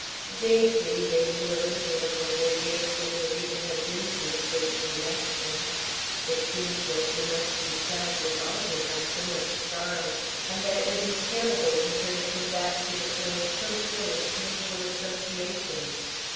Vaguely they knew a little of what their dear Senorita had been through since she left them; it seemed that she must be sadly altered by so much sorrow, and that it would be terrible to her to come back to the place so full of painful associations.